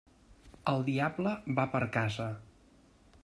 El diable va per casa.